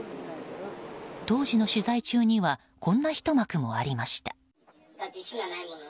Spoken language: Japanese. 当時の取材中にはこんなひと幕もありました。